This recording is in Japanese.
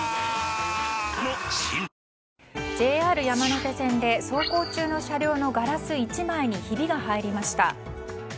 ＪＲ山手線で走行中の車両のガラス１枚にひびが入りました。